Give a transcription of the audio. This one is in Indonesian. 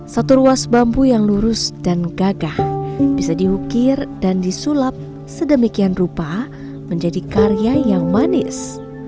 satu ruas bambu yang lurus dan gagah bisa diukir dan disulap sedemikian rupa menjadi karya yang manis